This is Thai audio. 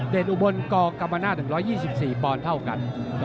เดทอุบลกกรรมนาฏ๑๒๔ปเท่ากัน